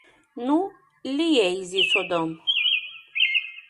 Ну, лие изи содом!